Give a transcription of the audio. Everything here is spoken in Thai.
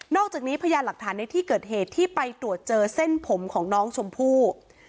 อกจากนี้พยานหลักฐานในที่เกิดเหตุที่ไปตรวจเจอเส้นผมของน้องชมพู่